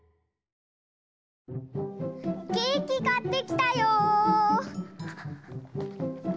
ケーキかってきたよ。